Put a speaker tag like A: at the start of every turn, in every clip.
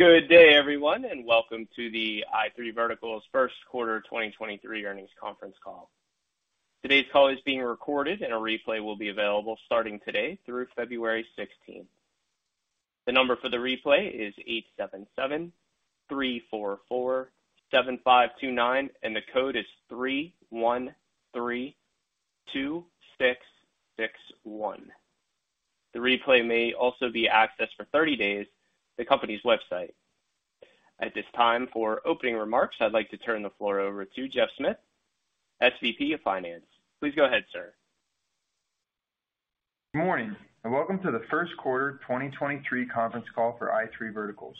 A: Good day, everyone, and welcome to the i3 Verticals First Quarter 2023 Earnings Conference Call. Today's call is being recorded and a replay will be available starting today through February 16th. The number for the replay is 8773447529, and the code is 3132661. The replay may also be accessed for 30 days at the company's website. At this time, for opening remarks, I'd like to turn the floor over to Geoff Smith, SVP of Finance. Please go ahead, sir.
B: Good morning, welcome to the first quarter 2023 conference call for i3 Verticals.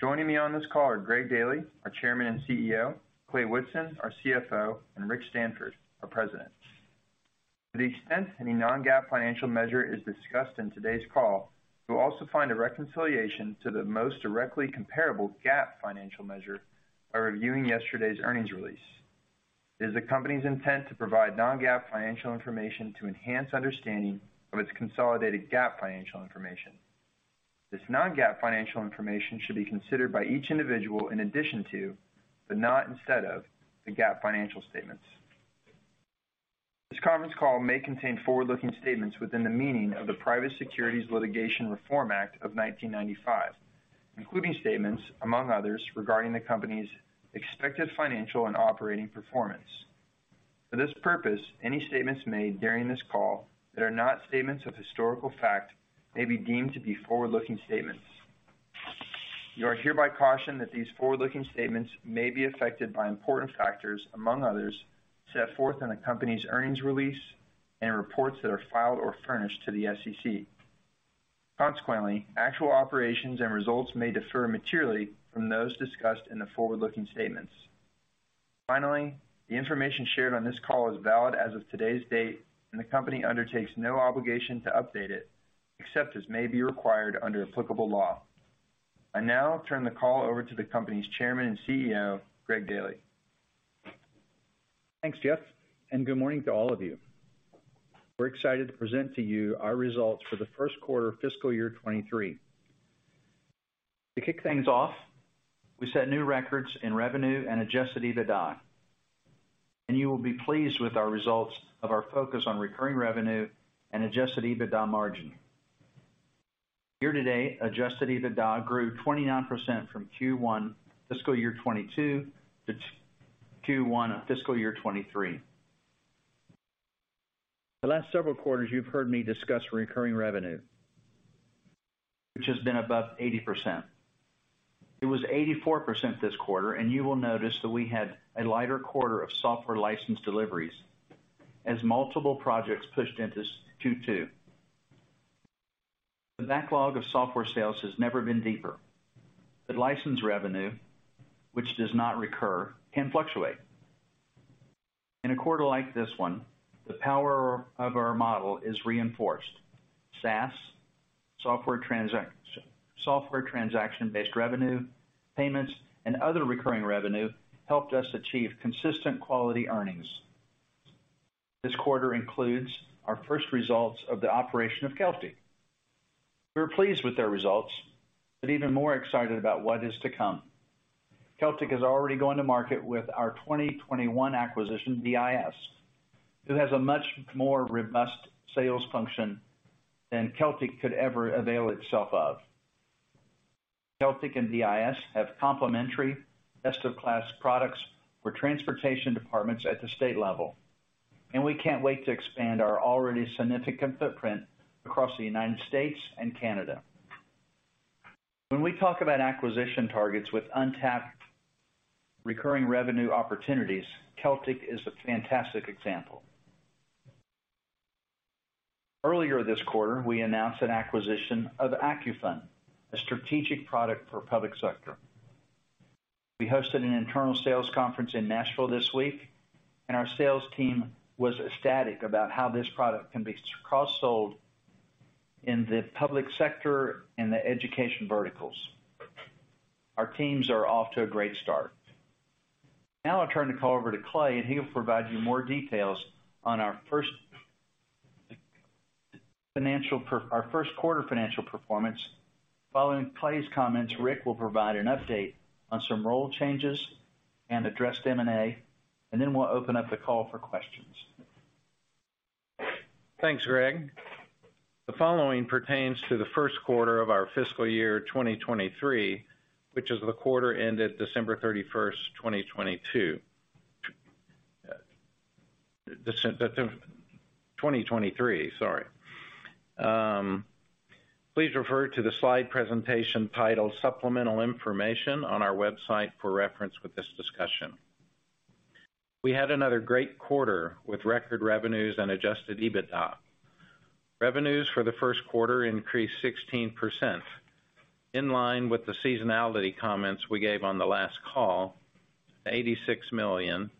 B: Joining me on this call are Greg Daily, our Chairman and CEO, Clay Whitson, our CFO, and Rick Stanford, our President. To the extent any non-GAAP financial measure is discussed in today's call, you'll also find a reconciliation to the most directly comparable GAAP financial measure by reviewing yesterday's earnings release. It is the company's intent to provide non-GAAP financial information to enhance understanding of its consolidated GAAP financial information. This non-GAAP financial information should be considered by each individual in addition to, but not instead of, the GAAP financial statements. This conference call may contain forward-looking statements within the meaning of the Private Securities Litigation Reform Act of 1995, including statements among others regarding the company's expected financial and operating performance. For this purpose, any statements made during this call that are not statements of historical fact may be deemed to be forward-looking statements. You are hereby cautioned that these forward-looking statements may be affected by important factors, among others, set forth in the company's earnings release and reports that are filed or furnished to the SEC. Consequently, actual operations and results may differ materially from those discussed in the forward-looking statements. Finally, the information shared on this call is valid as of today's date, and the company undertakes no obligation to update it, except as may be required under applicable law. I now turn the call over to the company's Chairman and CEO, Greg Daily.
C: Thanks, Geoff, good morning to all of you. We're excited to present to you our results for the first quarter of fiscal year 2023. To kick things off, we set new records in revenue and adjusted EBITDA, you will be pleased with our results of our focus on recurring revenue and adjusted EBITDA margin. Here today, adjusted EBITDA grew 29% from Q1 fiscal year 2022 to Q1 fiscal year 2023. The last several quarters you've heard me discuss recurring revenue, which has been above 80%. It was 84% this quarter, you will notice that we had a lighter quarter of software license deliveries as multiple projects pushed into Q2. The backlog of software sales has never been deeper, license revenue, which does not recur, can fluctuate. In a quarter like this one, the power of our model is reinforced. SaaS, software transaction-based revenue, payments, and other recurring revenue helped us achieve consistent quality earnings. This quarter includes our first results of the operation of Keltic. We were pleased with their results, but even more excited about what is to come. Keltic is already going to market with our 2021 acquisition, DIS. It has a much more robust sales function than Keltic could ever avail itself of. Keltic and DIS have complementary best-in-class products for transportation departments at the state level. We can't wait to expand our already significant footprint across the United States and Canada. When we talk about acquisition targets with untapped recurring revenue opportunities, Keltic is a fantastic example. Earlier this quarter, we announced an acquisition of AccuFund, a strategic product for public sector. We hosted an internal sales conference in Nashville this week, our sales team was ecstatic about how this product can be cross-sold in the public sector and the education verticals. Our teams are off to a great start. I'll turn the call over to Clay, he'll provide you more details on our first financial our first quarter financial performance. Following Clay's comments, Rick will provide an update on some role changes and address M&A, then we'll open up the call for questions.
D: Thanks, Greg. The following pertains to the first quarter of our fiscal year 2023, which is the quarter ended December 31st, 2022. 2023, sorry. Please refer to the slide presentation titled Supplemental Information on our website for reference with this discussion. We had another great quarter with record revenues and adjusted EBITDA. Revenues for the first quarter increased 16%, in line with the seasonality comments we gave on the last call, to $86 million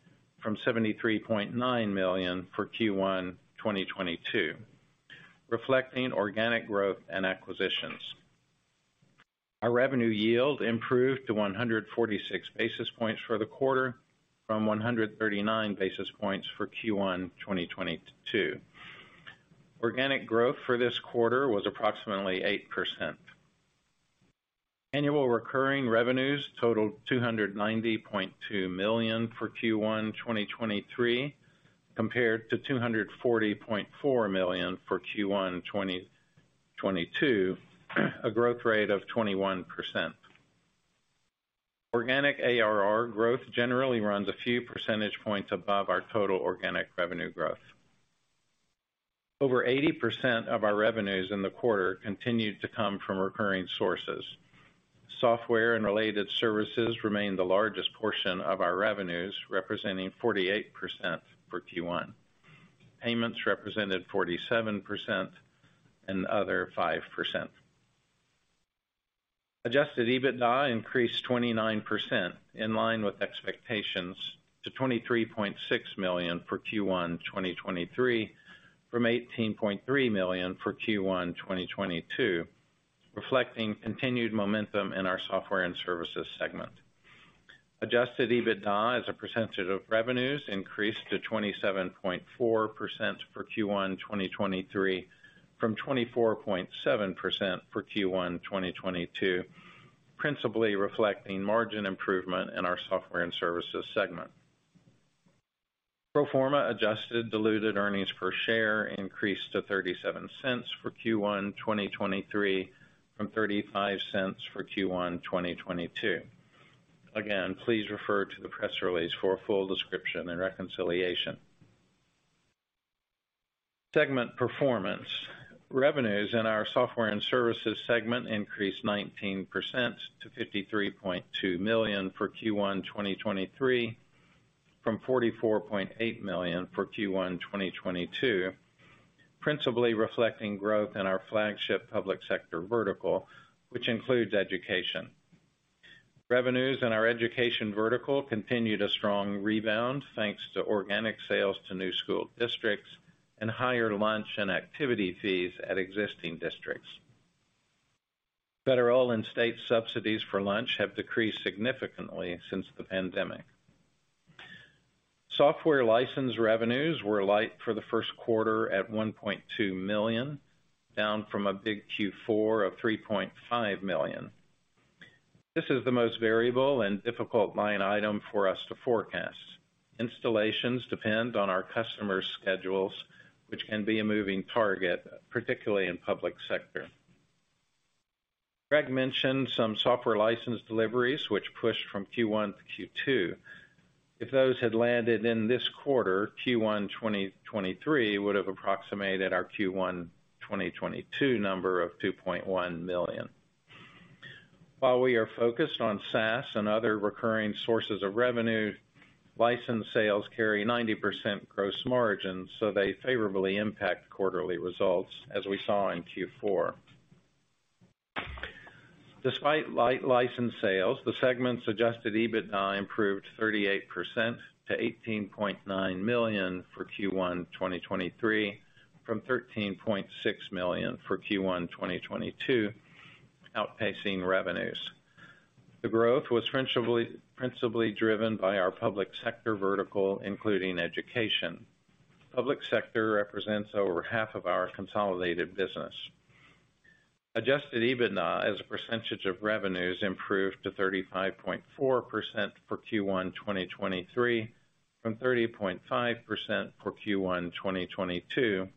D: from $73.9 million for Q1 2022, reflecting organic growth and acquisitions. Our revenue yield improved to 146 basis points for the quarter from 139 basis points for Q1 2022. Organic growth for this quarter was approximately 8%. Annual recurring revenues totaled $290.2 million for Q1 2023, compared to $240.4 million for Q1 2022, a growth rate of 21%. Organic ARR growth generally runs a few percentage points above our total organic revenue growth. Over 80% of our revenues in the quarter continued to come from recurring sources. Software and related services remain the largest portion of our revenues, representing 48% for Q1. Payments represented 47% and other 5%. adjusted EBITDA increased 29% in line with expectations to $23.6 million for Q1 2023, from $18.3 million for Q1 2022, reflecting continued momentum in our software and services segment. Adjusted EBITDA as a percentage of revenues increased to 27.4% for Q1 2023, from 24.7% for Q1 2022, principally reflecting margin improvement in our software and services segment. Pro forma adjusted diluted earnings per share increased to $0.37 for Q1 2023 from $0.35 for Q1 2022. Again, please refer to the press release for a full description and reconciliation. Segment performance. Revenues in our software and services segment increased 19% to $53.2 million for Q1 2023, from $44.8 million for Q1 2022, principally reflecting growth in our flagship public sector vertical, which includes education. Revenues in our education vertical continued a strong rebound thanks to organic sales to new school districts and higher lunch and activity fees at existing districts. Federal and state subsidies for lunch have decreased significantly since the pandemic. Software license revenues were light for the first quarter at $1.2 million, down from a big Q4 of $3.5 million. This is the most variable and difficult line item for us to forecast. Installations depend on our customers' schedules, which can be a moving target, particularly in public sector. Greg mentioned some software license deliveries, which pushed from Q1 to Q2. If those had landed in this quarter, Q1 2023 would have approximated our Q1 2022 number of $2.1 million. While we are focused on SaaS and other recurring sources of revenue, licensed sales carry 90% gross margin, so they favorably impact quarterly results, as we saw in Q4. Despite light license sales, the segment's adjusted EBITDA improved 38% to $18.9 million for Q1 2023 from $13.6 million for Q1 2022, outpacing revenues. The growth was principally driven by our public sector vertical, including education. Public sector represents over half of our consolidated business. adjusted EBITDA as a percentage of revenues improved to 35.4% for Q1 2023 from 30.5% for Q1 2022,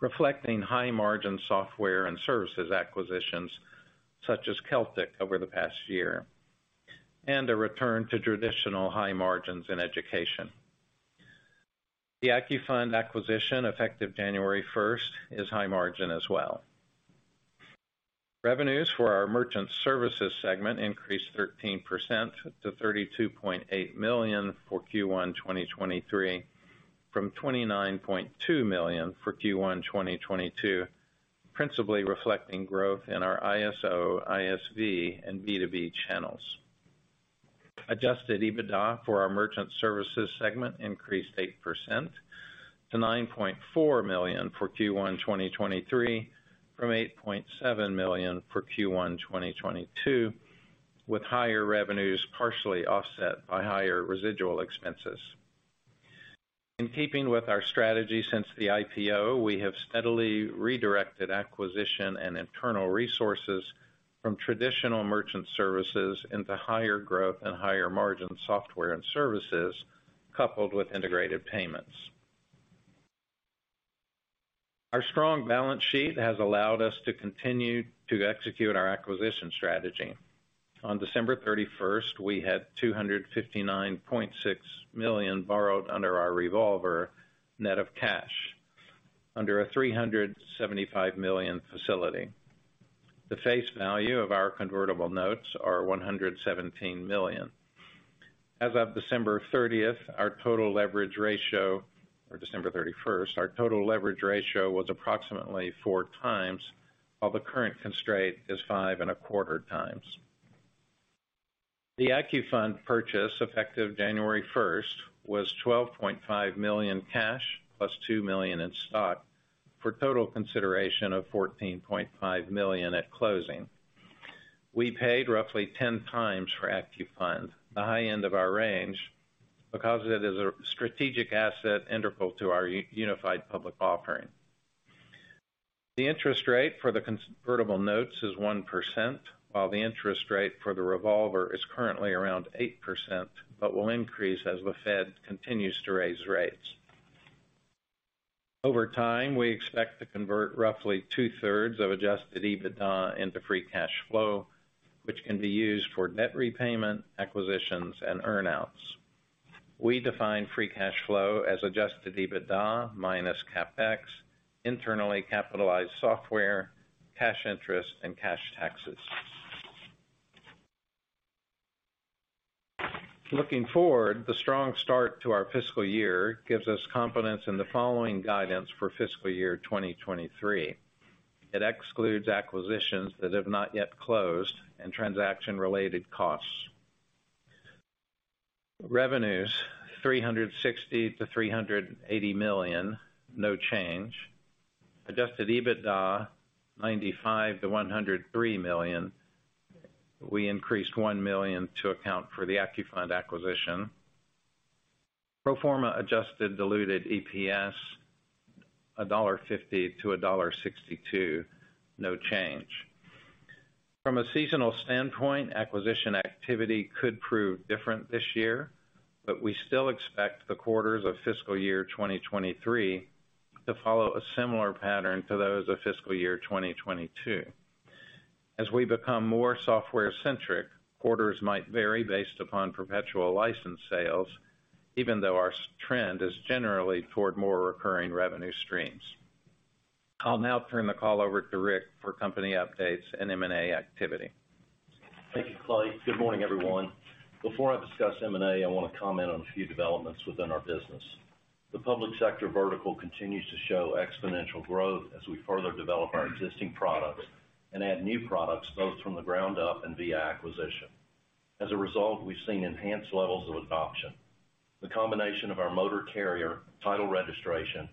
D: reflecting high-margin software and services acquisitions such as Keltic over the past year, and a return to traditional high margins in education. The AccuFund acquisition, effective January first, is high margin as well. Revenues for our merchant services segment increased 13% to $32.8 million for Q1 2023 from $29.2 million for Q1 2022, principally reflecting growth in our ISO, ISV, and B2B channels. adjusted EBITDA for our merchant services segment increased 8% to $9.4 million for Q1 2023 from $8.7 million for Q1 2022, with higher revenues partially offset by higher residual expenses. In keeping with our strategy since the IPO, we have steadily redirected acquisition and internal resources from traditional merchant services into higher growth and higher margin software and services, coupled with integrated payments. Our strong balance sheet has allowed us to continue to execute our acquisition strategy. On December 31st, we had $259.6 million borrowed under our revolver net of cash under a $375 million facility. The face value of our convertible notes are $117 million. As of December 31st, our total leverage ratio was approximately 4x, while the current constraint is 5.25x. The AccuFund purchase, effective January first, was $12.5 million cash plus $2 million in stock, for total consideration of $14.5 million at closing. We paid roughly 10x for AccuFund, the high end of our range, because it is a strategic asset integral to our unified public offering. The interest rate for the convertible notes is 1%, while the interest rate for the revolver is currently around 8%, but will increase as the Fed continues to raise rates. Over time, we expect to convert roughly two-thirds of adjusted EBITDA into free cash flow, which can be used for net repayment, acquisitions, and earn outs. We define free cash flow as adjusted EBITDA minus CapEx, internally capitalized software, cash interest and cash taxes. Looking forward, the strong start to our fiscal year gives us confidence in the following guidance for fiscal year 2023. It excludes acquisitions that have not yet closed and transaction-related costs. Revenues $360 million-$380 million, no change. Adjusted EBITDA $95 million-$103 million. We increased $1 million to account for the AccuFund acquisition. Pro forma adjusted diluted EPS $1.50-$1.62, no change. From a seasonal standpoint, acquisition activity could prove different this year, but we still expect the quarters of fiscal year 2023 to follow a similar pattern to those of fiscal year 2022. As we become more software centric, orders might vary based upon perpetual license sales, even though our strand is generally toward more recurring revenue streams. I'll now turn the call over to Rick for company updates and M&A activity.
E: Thank you, Clay. Good morning, everyone. Before I discuss M&A, I want to comment on a few developments within our business. The public sector vertical continues to show exponential growth as we further develop our existing products and add new products, both from the ground up and via acquisition. We've seen enhanced levels of adoption. The combination of our motor carrier, title registration,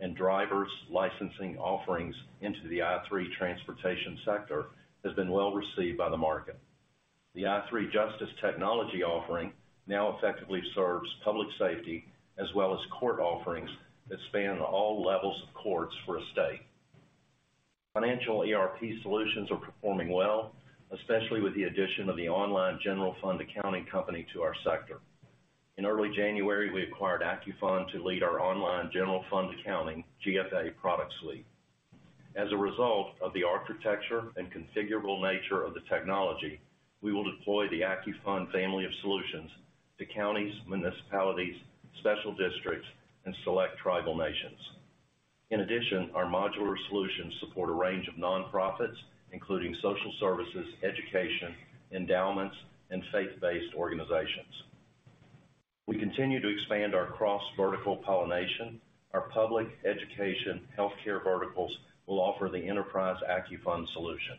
E: and driver's licensing offerings into the i3 transportation sector has been well received by the market. The i3 Justice technology offering now effectively serves public safety as well as court offerings that span all levels of courts for a state. Financial ERP solutions are performing well, especially with the addition of the online general fund accounting company to our sector. In early January, we acquired AccuFund to lead our online general fund accounting, GFA, product suite. As a result of the architecture and configurable nature of the technology, we will deploy the AccuFund family of solutions to counties, municipalities, special districts, and select tribal nations. In addition, our modular solutions support a range of nonprofits, including social services, education, endowments, and faith-based organizations. We continue to expand our cross-vertical pollination. Our public education healthcare verticals will offer the enterprise AccuFund solution.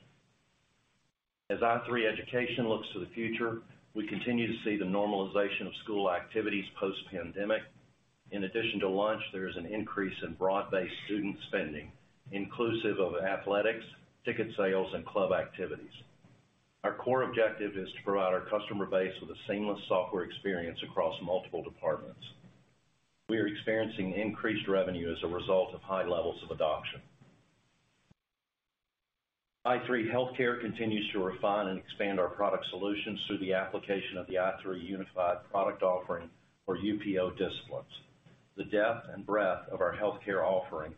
E: As i3 Education looks to the future, we continue to see the normalization of school activities post-pandemic. In addition to lunch, there is an increase in broad-based student spending, inclusive of athletics, ticket sales, and club activities. Our core objective is to provide our customer base with a seamless software experience across multiple departments. We are experiencing increased revenue as a result of high levels of adoption. i3 Healthcare continues to refine and expand our product solutions through the application of the i3 Unified Product Offering or UPO disciplines. The depth and breadth of our healthcare offering,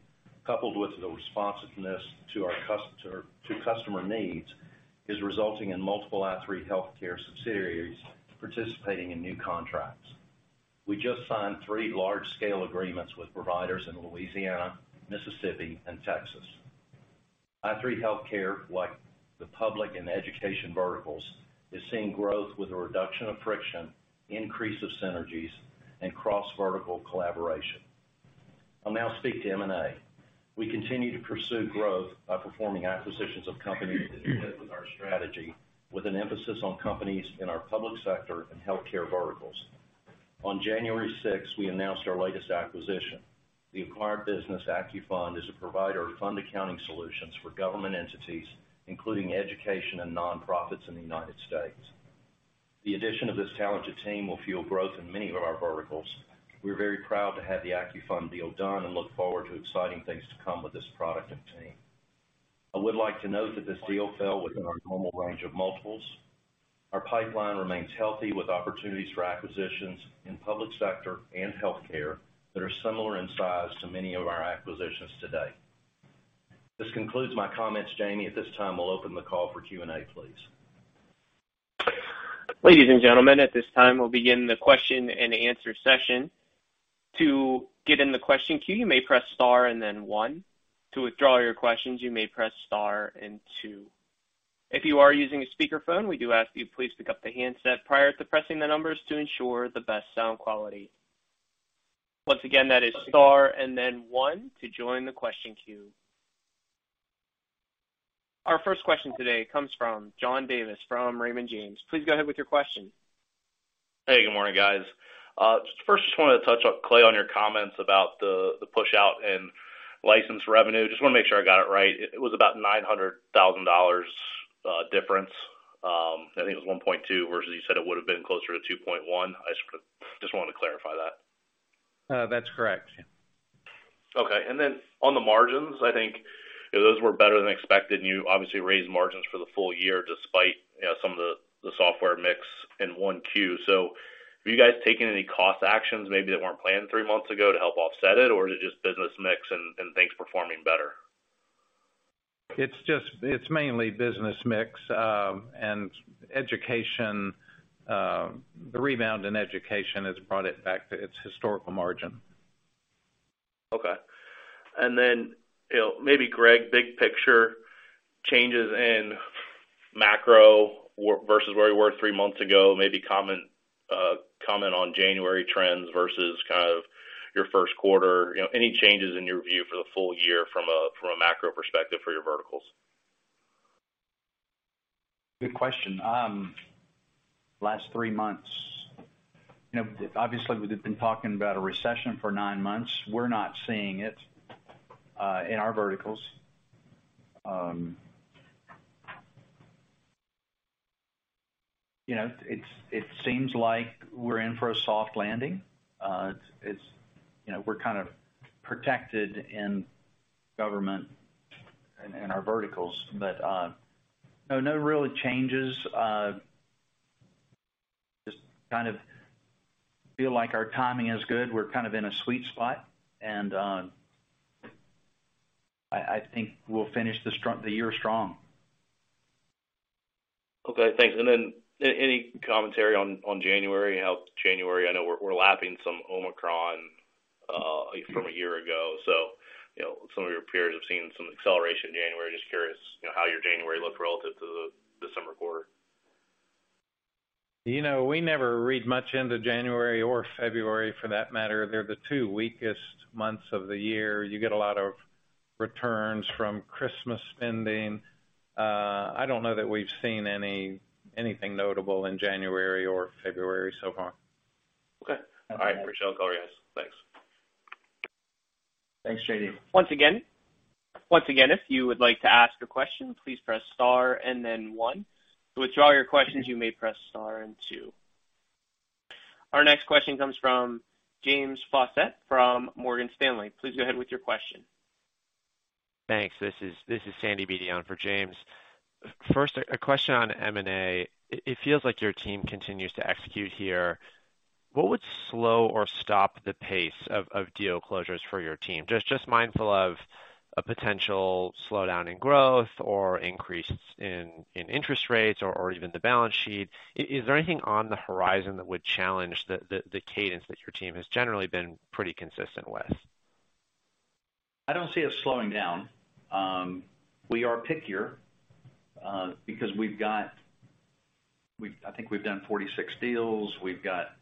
E: coupled with the responsiveness to our customer needs, is resulting in multiple i3 Healthcare subsidiaries participating in new contracts. We just signed three large-scale agreements with providers in Louisiana, Mississippi, and Texas. i3 Healthcare, like the public and education verticals, is seeing growth with a reduction of friction, increase of synergies, and cross-vertical collaboration. I'll now speak to M&A. We continue to pursue growth by performing acquisitions of companies that fit with our strategy, with an emphasis on companies in our public sector and healthcare verticals. On January sixth, we announced our latest acquisition. The acquired business, AccuFund, is a provider of fund accounting solutions for government entities, including education and nonprofits in the United States. The addition of this talented team will fuel growth in many of our verticals. We're very proud to have the AccuFund deal done and look forward to exciting things to come with this product and team. I would like to note that this deal fell within our normal range of multiples. Our pipeline remains healthy with opportunities for acquisitions in public sector and healthcare that are similar in size to many of our acquisitions today. This concludes my comments, Jamie. At this time, we'll open the call for Q&A, please.
A: Ladies and gentlemen, at this time, we'll begin the question and answer session. To get in the question queue, you may press star and then one. To withdraw your questions, you may press star and two. If you are using a speakerphone, we do ask you please pick up the handset prior to pressing the numbers to ensure the best sound quality. Once again, that is star and then one to join the question queue. Our first question today comes from John Davis from Raymond James. Please go ahead with your question.
F: Hey, good morning, guys. First, wanted to touch on Clay on your comments about the pushout and license revenue. Just wanna make sure I got it right. It was about $900,000 difference. I think it was $1.2 million, versus you said it would have been closer to $2.1 million. I wanted to clarify that.
D: That's correct.
F: Okay. On the margins, I think, you know, those were better than expected, and you obviously raised margins for the full year despite, you know, some of the software mix in 1Q. Have you guys taken any cost actions maybe that weren't planned three months ago to help offset it, or is it just business mix and things performing better?
D: It's mainly business mix, and education. The rebound in education has brought it back to its historical margin.
F: Okay. Then, you know, maybe Greg, big picture changes in macro versus where we were three months ago, maybe comment on January trends versus kind of your first quarter. You know, any changes in your view for the full year from a, from a macro perspective for your verticals?
C: Good question. Last three months, you know, obviously, we've been talking about a recession for nine months. We're not seeing it in our verticals. you know, it seems like we're in for a soft landing. it's, you know, we're kind of protected in government and in our verticals. no real changes. Just kind of feel like our timing is good. We're kind of in a sweet spot, and, I think we'll finish the year strong.
F: Okay, thanks. Then any commentary on January? How January, I know we're lapping some Omicron from a year ago, so, you know, some of your peers have seen some acceleration in January. Just curious, you know, how your January looked relative to the summer quarter.
D: You know, we never read much into January or February for that matter. They're the two weakest months of the year. You get a lot of returns from Christmas spending. I don't know that we've seen anything notable in January or February so far.
F: Okay. All right. Appreciate it, I'll go with you guys. Thanks.
D: Thanks, JD.
A: Once again, if you would like to ask a question, please press star and then one. To withdraw your questions, you may press star and two. Our next question comes from James Faucette from Morgan Stanley. Please go ahead with your question.
G: Thanks. This is Sandy Beatty for James. First, a question on M&A. It feels like your team continues to execute here. What would slow or stop the pace of deal closures for your team? Just mindful of a potential slowdown in growth or increase in interest rates or even the balance sheet. Is there anything on the horizon that would challenge the cadence that your team has generally been pretty consistent with?
D: I don't see us slowing down. We are pickier because I think we've done 46 deals. We've got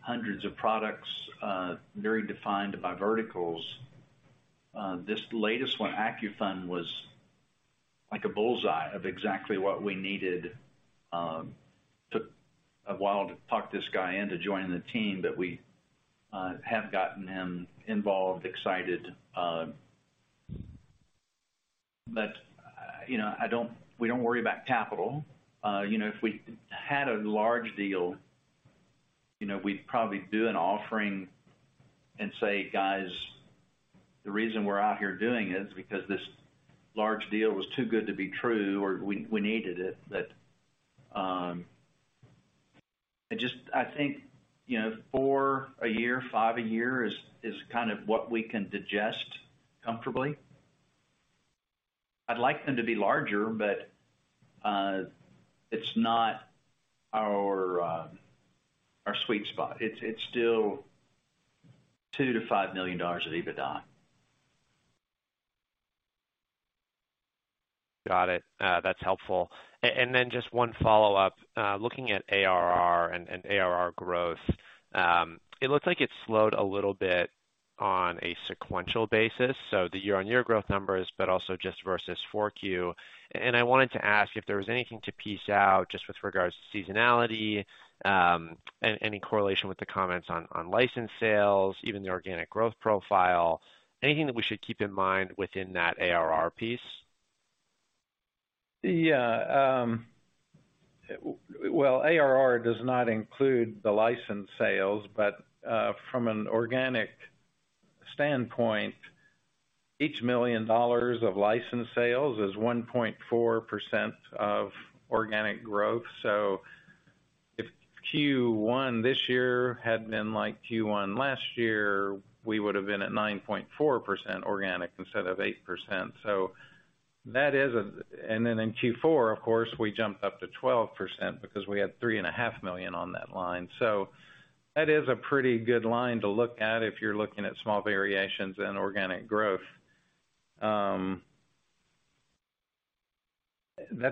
D: hundreds of products, very defined by verticals. This latest one, AccuFund, was like a bullseye of exactly what we needed. Took a while to talk this guy into joining the team, but we have gotten him involved, excited. You know, we don't worry about capital. You know, if we had a large deal, you know, we'd probably do an offering and say, "Guys, the reason we're out here doing it is because this large deal was too good to be true," or we needed it. I think, you know, four a year, five a year is kind of what we can digest comfortably. I'd like them to be larger, but, it's not our sweet spot. It's still $2 million-$5 million of EBITDA.
G: Got it. That's helpful. Just one follow-up. Looking at ARR and ARR growth, it looks like it slowed a little bit on a sequential basis, so the year-on-year growth numbers, but also just versus 4Q. I wanted to ask if there was anything to piece out just with regards to seasonality, any correlation with the comments on licensed sales, even the organic growth profile. Anything that we should keep in mind within that ARR piece?
D: Well, ARR does not include the license sales, but from an organic standpoint, each million dollars of license sales is 1.4% of organic growth. If Q1 this year had been like Q1 last year, we would have been at 9.4% organic instead of 8%. That is a. Then in Q4, of course, we jumped up to 12% because we had three and a half million dollars on that line. That is a pretty good line to look at if you're looking at small variations in organic growth. That's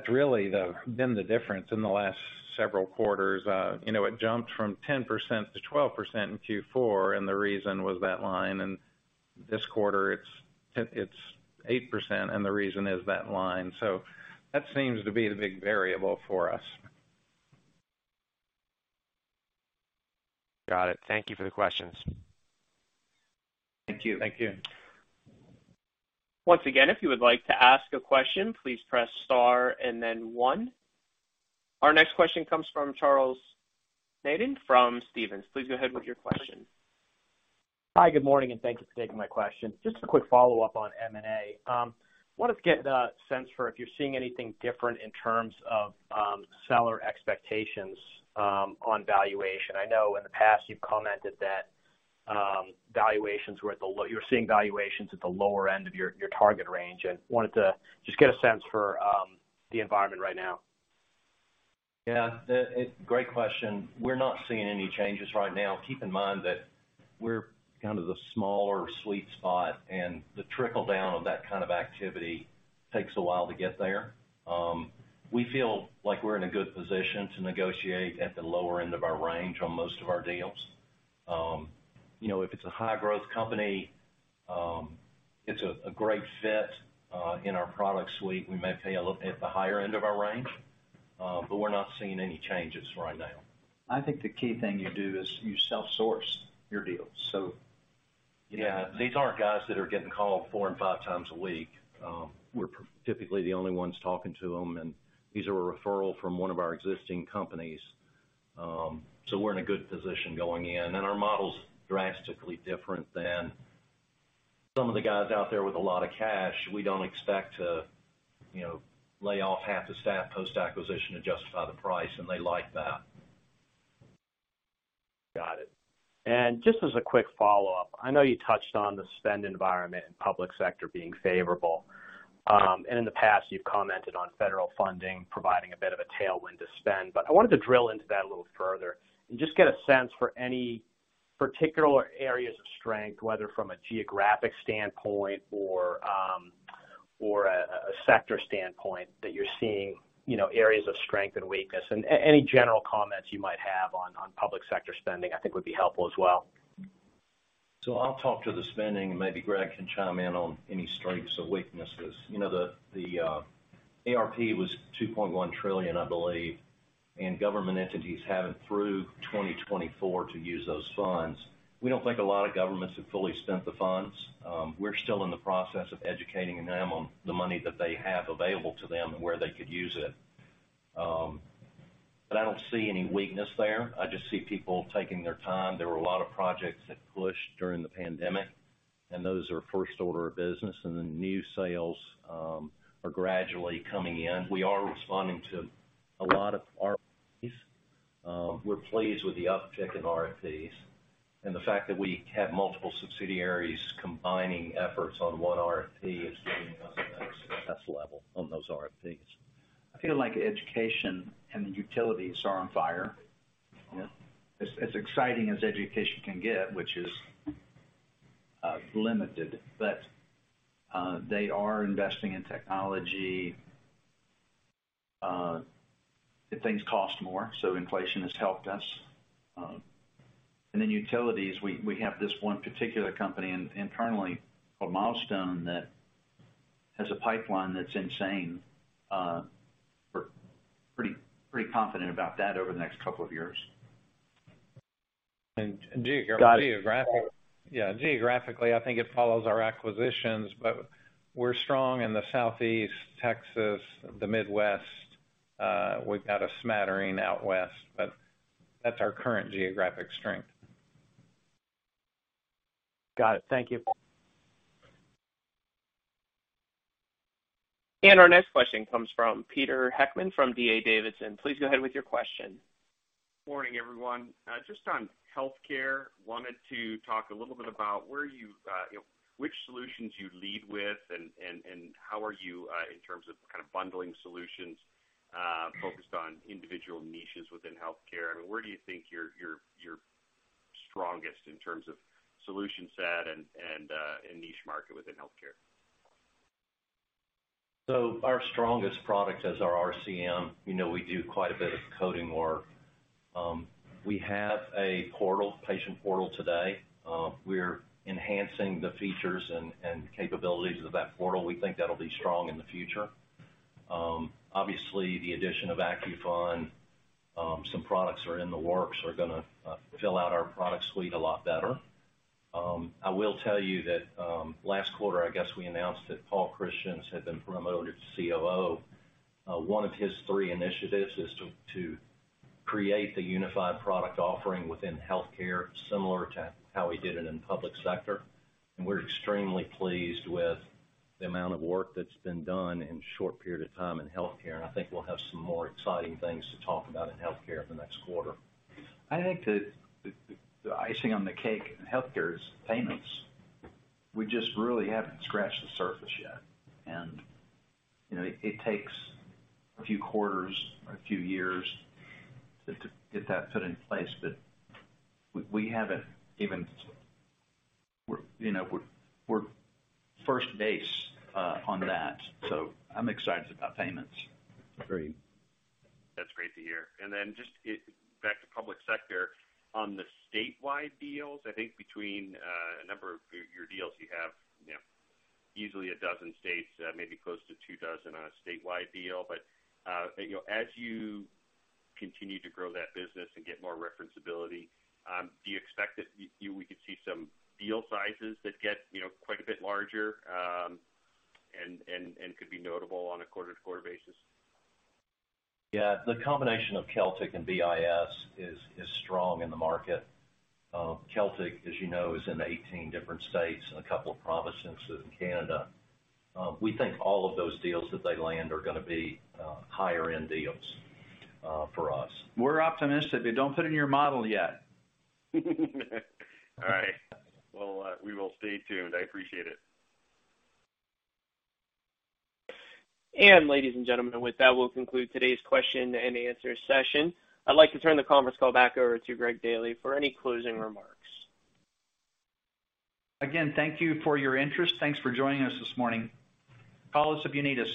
D: really been the difference in the last several quarters. You know, it jumped from 10% to 12% in Q4, and the reason was that line. This quarter, it's 8%. The reason is that line. That seems to be the big variable for us.
A: Got it. Thank you for the questions.
D: Thank you.
C: Thank you.
A: Once again, if you would like to ask a question, please press star and then one. Our next question comes from Charles Nabhan from Stephens. Please go ahead with your question.
H: Hi, good morning, and thanks for taking my question. Just a quick follow-up on M&A. wanted to get a sense for if you're seeing anything different in terms of seller expectations on valuation. I know in the past you've commented that you're seeing valuations at the lower end of your target range, and wanted to just get a sense for the environment right now.
E: Great question. We're not seeing any changes right now. Keep in mind that we're kind of the smaller sweet spot, and the trickle-down of that kind of activity takes a while to get there. We feel like we're in a good position to negotiate at the lower end of our range on most of our deals. You know, if it's a high-growth company, it's a great fit in our product suite, we may pay a little at the higher end of our range, but we're not seeing any changes right now. I think the key thing you do is you self-source your deals, so. Yeah. These aren't guys that are getting called four and five times a week. We're typically the only ones talking to them, and these are a referral from one of our existing companies. We're in a good position going in, and our model's drastically different than some of the guys out there with a lot of cash. We don't expect to, you know, lay off half the staff post-acquisition to justify the price, and they like that.
H: Got it. Just as a quick follow-up, I know you touched on the spend environment in public sector being favorable. In the past, you've commented on federal funding, providing a bit of a tailwind to spend. I wanted to drill into that a little further and just get a sense for any particular areas of strength, whether from a geographic standpoint or a sector standpoint that you're seeing, you know, areas of strength and weakness. Any general comments you might have on public sector spending, I think would be helpful as well.
E: I'll talk to the spending, and maybe Greg can chime in on any strengths or weaknesses. You know, the ARPA was $2.1 trillion, I believe, and government entities have it through 2024 to use those funds. We don't think a lot of governments have fully spent the funds. We're still in the process of educating them on the money that they have available to them and where they could use it. I don't see any weakness there. I just see people taking their time. There were a lot of projects that pushed during the pandemic, and those are first order of business, and then new sales are gradually coming in. We are responding to a lot of RFPs. We're pleased with the uptick in RFPs and the fact that we have multiple subsidiaries combining efforts on one RFP is giving us the best success level on those RFPs.
C: I feel like education and the utilities are on fire.
E: Yeah.
C: As exciting as education can get, which is limited, but they are investing in technology. The things cost more, inflation has helped us. Utilities, we have this one particular company internally called Milestone that has a pipeline that's insane. We're pretty confident about that over the next couple of years.
D: Geographic.
H: Got it.
D: Yeah. Geographically, I think it follows our acquisitions, but we're strong in the Southeast, Texas, the Midwest. We've got a smattering out West, but that's our current geographic strength.
H: Got it. Thank you.
A: Our next question comes from Peter Heckmann from D.A. Davidson. Please go ahead with your question.
I: Morning, everyone. Just on healthcare, wanted to talk a little bit about where you know, which solutions you lead with and how are you, in terms of kind of bundling solutions, focused on individual niches within healthcare. I mean, where do you think you're strongest in terms of solution set and niche market within healthcare?
E: Our strongest product is our RCM. You know, we do quite a bit of coding work. We have a portal, patient portal today. We're enhancing the features and capabilities of that portal. We think that'll be strong in the future. Obviously, the addition of AccuFund, some products are in the works are gonna fill out our product suite a lot better. I will tell you that, last quarter, I guess, we announced that Paul Christians had been promoted to COO. One of his three initiatives is to create the unified product offering within healthcare, similar to how we did it in public sector. We're extremely pleased with the amount of work that's been done in a short period of time in healthcare. I think we'll have some more exciting things to talk about in Healthcare the next quarter.
D: I think the icing on the cake in healthcare is payments. We just really haven't scratched the surface yet. You know, it takes a few quarters or a few years to get that put in place. We haven't even... you know, we're first base on that. I'm excited about payments.
E: Agreed.
I: That's great to hear. Then just back to public sector. On the statewide deals, I think between a number of your deals, you have, you know, easily a thousand states, maybe close to 2,000 on a statewide deal. You know, as you continue to grow that business and get more reference ability, do you expect that we could see some deal sizes that get, you know, quite a bit larger, and could be notable on a quarter-to-quarter basis?
E: Yeah. The combination of Keltic and DIS is strong in the market. Keltic, as you know, is in 18 different states and a couple of provinces in Canada. We think all of those deals that they land are gonna be higher end deals for us.
C: We're optimistic, but don't put it in your model yet.
I: All right. Well, we will stay tuned. I appreciate it.
A: Ladies and gentlemen, with that, we'll conclude today's question and answer session. I'd like to turn the conference call back over to Greg Daily for any closing remarks.
C: Thank you for your interest. Thanks for joining us this morning. Call us if you need us.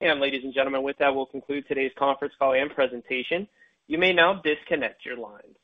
A: Ladies and gentlemen, with that, we'll conclude today's conference call and presentation. You may now disconnect your lines.